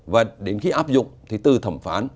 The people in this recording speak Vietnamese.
và đến khi áp dụng thì từ thẩm phán